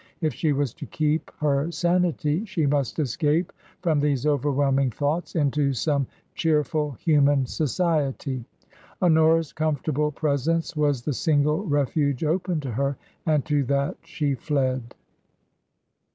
If she was to keep her sanity she must escape from these overwhelming thoughts into some cheerful human society. Honora's comfortable presence was the single refuge open to her, and to that she fled.